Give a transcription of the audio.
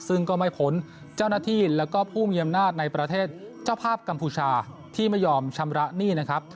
ซึ่งก็ไม่พ้นเจ้าหน้าที่แล้วก็ผู้มีอำนาจในประเทศเจ้าภาพกัมพูชาที่ไม่ยอมชำระหนี้นะครับ